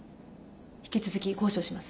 引き続き交渉します。